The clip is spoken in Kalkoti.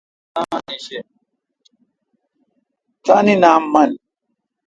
تان نام من۔